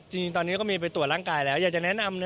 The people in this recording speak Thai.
จริงตอนนี้ก็มีไปตรวจร่างกายแล้วอยากจะแนะนำนะ